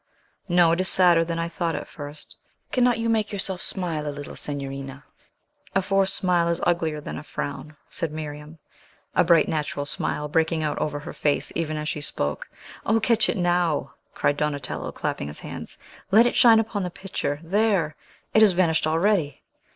No, it is sadder than I thought at first. Cannot you make yourself smile a little, signorina?" "A forced smile is uglier than a frown," said Miriam, a bright, natural smile breaking out over her face even as she spoke. "O, catch it now!" cried Donatello, clapping his hands. "Let it shine upon the picture! There! it has vanished already!